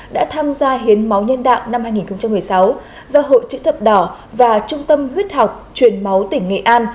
đã tham gia hiến máu nhân đạo năm hai nghìn một mươi sáu do hội chữ thập đỏ và trung tâm huyết học truyền máu tỉnh nghệ an